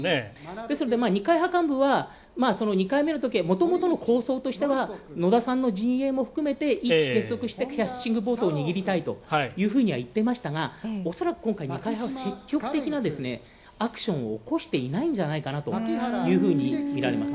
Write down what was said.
ですので、二階派幹部は２回目のときはもともとの構想としては野田さんの陣営も含めて一致結束してキャスティングボード握りたいというふうには言っていましたがおそらく今回二階派は積極的なアクションを起こしていないのではないかとみられます。